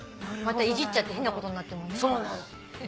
またいじっちゃって変なことになってもね。